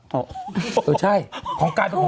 โอ้โฮแล้วใช่ของกายเป็นปี๒๐๐๒